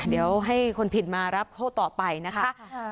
เดี๋ยวให้คนผิดมารับโทษต่อไปนะคะ